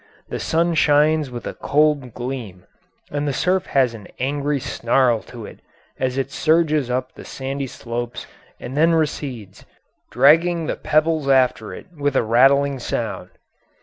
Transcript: The sun shines with a cold gleam, and the surf has an angry snarl to it as it surges up the sandy slopes and then recedes, dragging the pebbles after it with a rattling sound.